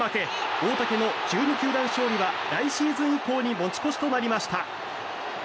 大竹の１２球団勝利は来シーズン以降に持ち越しとなりました。